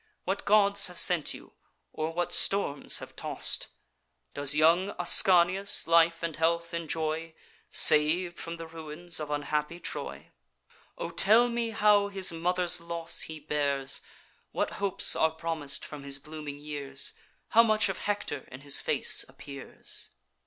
What gods have sent you, or what storms have toss'd? Does young Ascanius life and health enjoy, Sav'd from the ruins of unhappy Troy? O tell me how his mother's loss he bears, What hopes are promis'd from his blooming years, How much of Hector in his face appears?